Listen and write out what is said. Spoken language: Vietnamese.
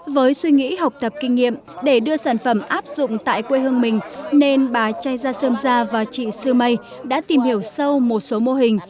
với suy nghĩ học tập kinh nghiệm để đưa sản phẩm áp dụng tại quê hương mình nên bà chay gia sơn gia và chị sư mai đã tìm hiểu sâu một số mô hình